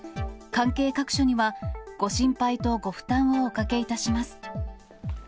関係各所にはご心配とご負担をおかけいたします。